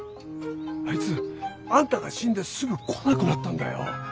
あいつあんたが死んですぐ来なくなったんだよ。